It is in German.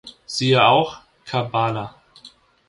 Siehe auch: Kabbala